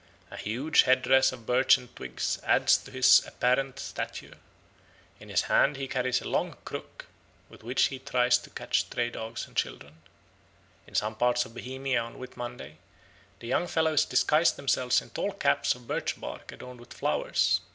A huge head dress of birchen twigs adds to his apparent stature. In his hand he carries a long crook, with which he tries to catch stray dogs and children. In some parts of Bohemia on Whit Monday the young fellows disguise themselves in tall caps of birch bark adorned with flowers.